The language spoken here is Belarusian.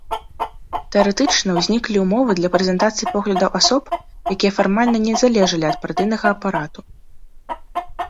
Тэарэтычна ўзніклі ўмовы для прэзентацыі поглядаў асоб, якія фармальна не залежалі ад партыйнага апарату.